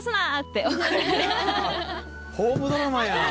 ホームドラマやん。